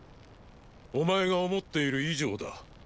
お前が思っている以上だ録嗚未。